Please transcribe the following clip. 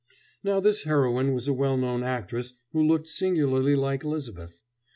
Now, this heroine was a well known actress who looked singularly like Elizabeth.